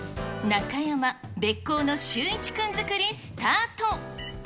中山、べっ甲のシューイチくん作りスタート。